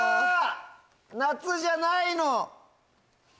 「夏」じゃないの！